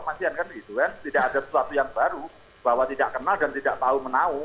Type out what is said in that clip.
kasian kan gitu kan tidak ada sesuatu yang baru bahwa tidak kenal dan tidak tahu menau